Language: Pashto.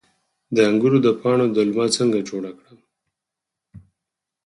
د انګورو د پاڼو دلمه څنګه جوړیږي؟